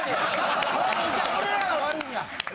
俺らが悪いんや。